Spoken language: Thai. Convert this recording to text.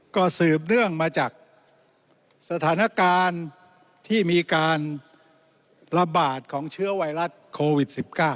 ก็สืบเนื่องมาจากสถานการณ์ที่มีการระบาดของเชื้อไวรัสโควิด๑๙